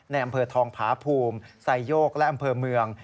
อำเภอทองผาภูมิไซโยกและอำเภอเมือง